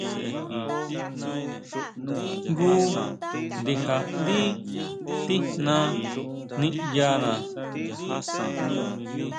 Jngu ndija ndí tijna niʼyana.